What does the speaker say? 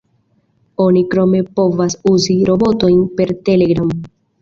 Oni krome povas uzi robotojn per Telegram.